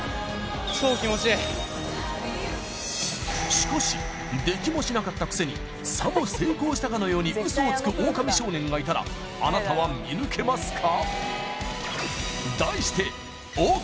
しかしできもしなかったくせにさも成功したかのようにウソをつくオオカミ少年がいたらあなたは見抜けますか？